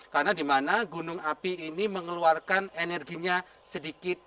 karena dimana gunung api ini mengeluarkan energinya sedikit